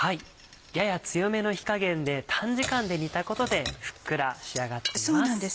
やや強めの火加減で短時間で煮たことでふっくら仕上がっています。